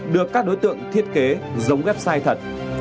được các đối tượng thiết kế giống website thật